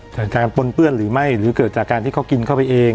จากการปนเปื้อนหรือไม่หรือเกิดจากการที่เขากินเข้าไปเอง